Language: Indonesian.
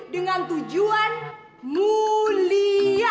dengan tujuan mulia